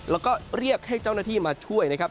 แล้วก็เรียกให้เจ้าหน้าที่มาช่วยนะครับ